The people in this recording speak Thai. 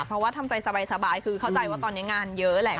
เพราะว่าทำใจสบายเข้าใจว่างานเยอะอยู่แหละ